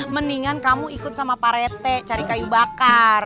mendingan kamu ikut sama pak rete cari kayu bakar